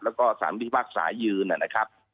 แล้วก็ศาลดีบัตรสายืนนะครับ